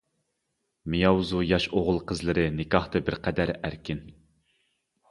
مياۋزۇ ياش ئوغۇل-قىزلىرى نىكاھتا بىرقەدەر ئەركىن.